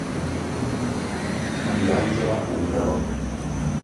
Mariangela Ungaro